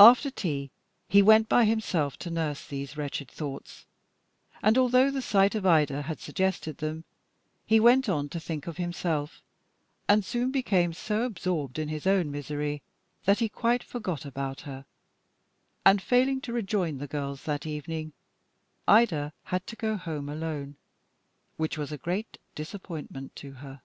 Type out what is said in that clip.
After tea he went by himself to nurse these wretched thoughts, and although the sight of Ida had suggested them, he went on to think of himself, and soon became so absorbed in his own misery that he quite forgot about her, and, failing to rejoin the girls that evening, Ida had to go home alone, which was a great disappointment to her.